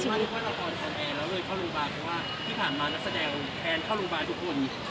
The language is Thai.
ที่ผ่านมานักแสดงแทนเข้าโรงพยาบาลทุกคน